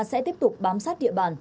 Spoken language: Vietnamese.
sẽ tiếp tục bám sát địa bàn